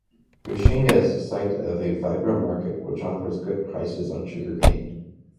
Buchinga is the site of a vibrant market, which offers good prices on sugarcane.